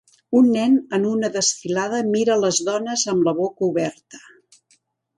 Un nen en una desfilada mira les dones amb la boca oberta